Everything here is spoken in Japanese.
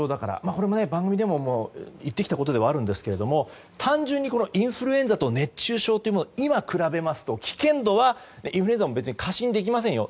これも番組で言ってきたことではありますが単純にインフルエンザと熱中症を今比べますと、危険度はインフルエンザも過信できませんよ。